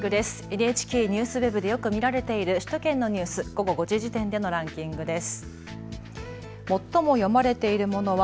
ＮＨＫＮＥＷＳＷＥＢでよく見られている首都圏のニュース、午後５時時点のランキングです。